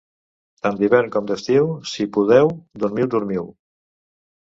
Tant d'hivern com d'estiu, si podeu, dormiu, dormiu.